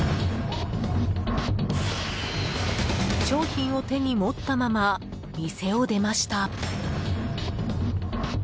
商品を手に持ったまま店を出ました。